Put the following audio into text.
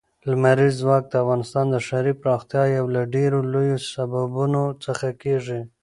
لمریز ځواک د افغانستان د ښاري پراختیا یو له ډېرو لویو سببونو څخه کېږي.